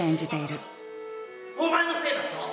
お前のせいだぞ！